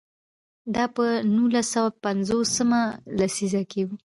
دا په نولس سوه پنځوس مه لسیزه کې و.